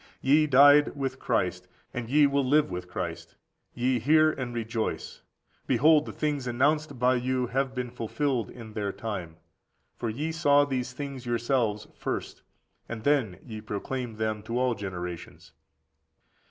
Ye died with Christ; and ye will live with Christ. Hear ye, and rejoice; behold the things announced by you have been fulfilled in their time. For ye saw these things yourselves first, and then ye proclaimed them to all generations.